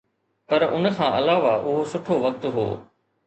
پر ان کان علاوه اهو سٺو وقت هو.